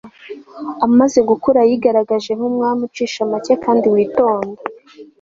amaze gukura yigaragaje nk'umwami ucisha make kandi witonda